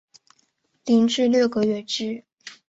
零至六个月之